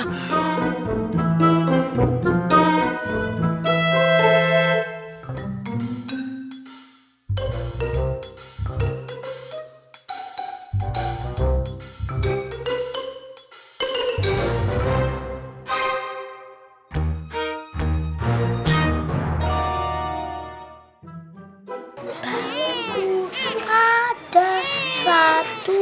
balonku ada satu